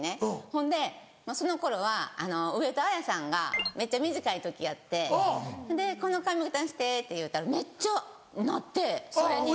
ほんでその頃は上戸彩さんがめっちゃ短い時やって「この髪形にして」って言うたらめっちゃなってそれに。